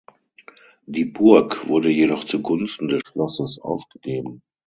Die Burg wurde jedoch zugunsten des Schlosses aufgegeben.